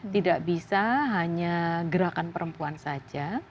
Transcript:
tidak bisa hanya gerakan perempuan saja